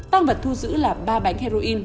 tăng vật thu giữ là ba bánh heroin